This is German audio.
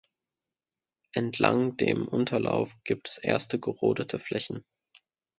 Entlang dem Unterlauf gibt es erste gerodete Flächen.